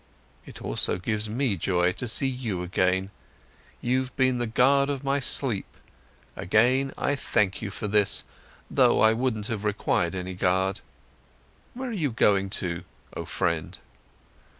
"It also gives me joy, to see you again. You've been the guard of my sleep, again I thank you for this, though I wouldn't have required any guard. Where are you going to, oh friend?"